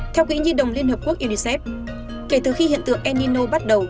theo quỹ nhi đồng liên hợp quốc unicef kể từ khi hiện tượng el nino bắt đầu